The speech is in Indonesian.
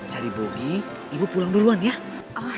cari bobi ibu pulang duluan ya